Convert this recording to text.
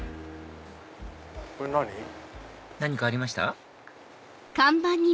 何かありました？